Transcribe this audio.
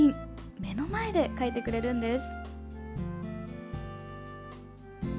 目の前で書いてくれるんです。